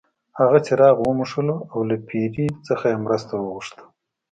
هغه څراغ وموښلو او له پیري څخه یې مرسته وغوښته.